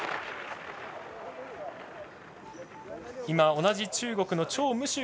今、同じ中国の張夢